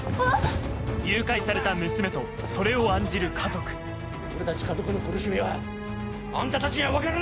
誘拐された娘とそれを案じる家族俺たち家族の苦しみはあんたたちには分からない！